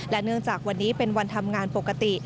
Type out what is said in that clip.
เนื่องจากวันนี้เป็นวันทำงานปกติ